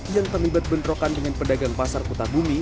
yang terlibat bentrokan dengan pedagang pasar kota bumi